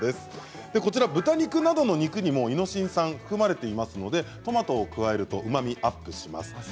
豚肉などの肉にもイノシン酸は含まれていますのでトマトを加えるとうまみがアップします。